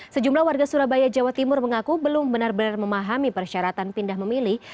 sejumlah warga surabaya jawa timur mengaku belum benar benar memahami persyaratan pindah memilih